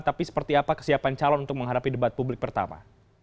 tapi seperti apa kesiapan calon untuk menghadapi debat publik pertama